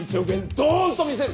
どーんと見せる。